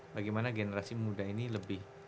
bagaimana generasi muda ini lebih